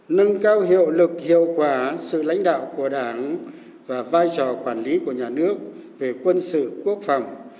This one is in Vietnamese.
nâng cao hiệu lực hiệu quả sự lãnh đạo của đảng và vai trò quản lý của nhà nước về quân sự quốc phòng